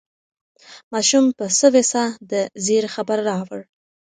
ماشوم په سوې ساه د زېري خبر راوړ.